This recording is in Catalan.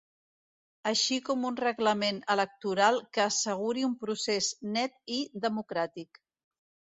Així com un reglament electoral que asseguri un procés ‘net’ i ‘democràtic’.